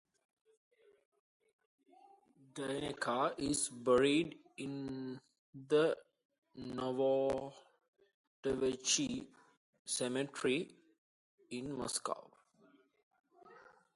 Deyneka is buried in the Novodevichy Cemetery in Moscow.